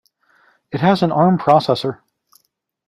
It has an Arm processor.